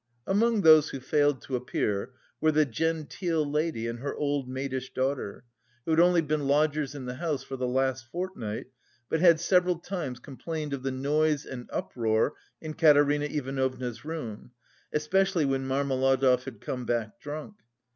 Among those who failed to appear were "the genteel lady and her old maidish daughter," who had only been lodgers in the house for the last fortnight, but had several times complained of the noise and uproar in Katerina Ivanovna's room, especially when Marmeladov had come back drunk.